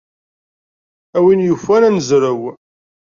A win yufan ad nezrew.